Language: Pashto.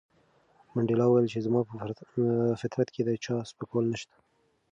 منډېلا وویل چې زما په فطرت کې د چا سپکول نشته.